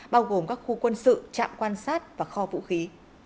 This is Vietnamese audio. bao gồm các khu quân sự trạm quan sát và kho vũ khí